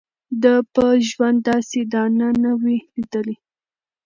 ده په ژوند داسي دانه نه وه لیدلې